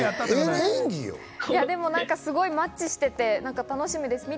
でもなんかすごいマッチしていて楽しみです。